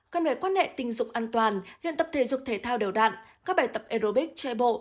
cần về quan hệ tình dục an toàn luyện tập thể dục thể thao đều đặn các bài tập aerobics tre bộ